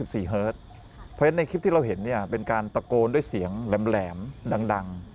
เพราะฉะนั้นในคลิปที่เราเห็นเป็นการตะโกนด้วยเสียงแหลมดัง